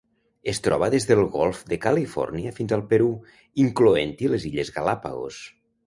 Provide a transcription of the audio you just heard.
Es troba des del Golf de Califòrnia fins al Perú, incloent-hi les Illes Galápagos.